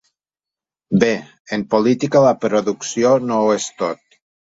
Bé, en política la producció no ho és tot.